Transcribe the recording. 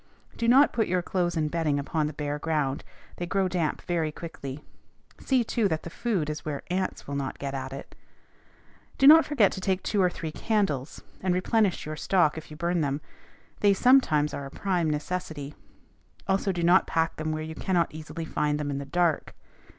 Do not put your clothes and bedding upon the bare ground: they grow damp very quickly. See, too, that the food is where ants will not get at it. Do not forget to take two or three candles, and replenish your stock if you burn them: they sometimes are a prime necessity. Also do not pack them where you cannot easily find them in the dark.